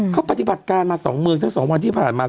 เขาปฏิรัชน์การมาสองเมืองทั้งสองวันที่ผ่านมา